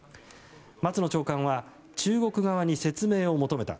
松野長官は中国側に説明を求めた。